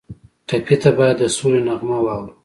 ټپي ته باید د سولې نغمه واورو.